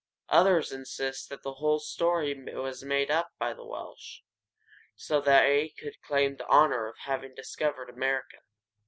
Others insist that the whole story was made up by the Welsh, so they could claim the honor of having discovered America.